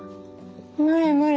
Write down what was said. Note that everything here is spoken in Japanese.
無理無理。